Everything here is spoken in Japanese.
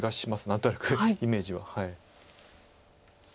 何となくイメージは。